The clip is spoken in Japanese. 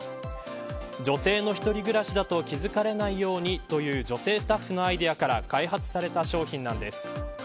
女性の１人暮らしだと気付かれないようにという女性スタッフのアイデアから開発された商品なんです。